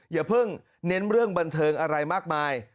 อย่าเพิ่งเน้นเรื่องบันเทิงอะไรมากมาย